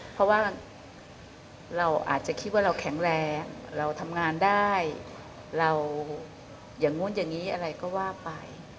เพราะว่าเราอาจจะคิดว่าเราแข็งแรงเราทำงานได้เราอย่างนู้นอย่างนี้อะไรก็ว่าไป